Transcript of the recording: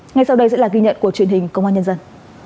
ngay sau đây sẽ là ghi nhận của truyền hình công an nhân dân